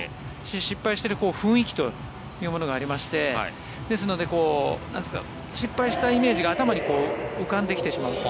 失敗している雰囲気というものがありましてですので失敗したイメージが頭に浮かんできてしまう。